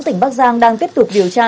tỉnh bắc giang đang tiếp tục điều tra